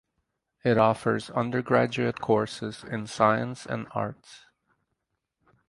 It offers undergraduate courses in science and arts.